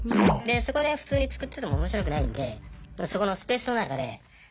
そこで普通に作っててもおもしろくないんでそこのスペースの中で。